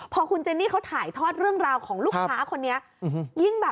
พอคุณเจนี่เขาถ่ายทอดเรื่องราวของลูกค้าคนนี้ยิ่งแบบ